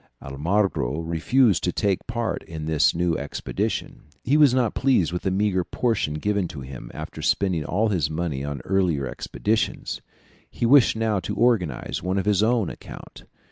Almagro refused to take part in this new expedition; he was not pleased with the meagre portion given to him after spending all his money on the earlier expeditions; he wished now to organize one on his own account.